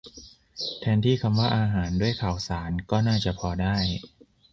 แทนที่คำว่า อาหาร ด้วย ข่าวสาร ก็น่าจะพอได้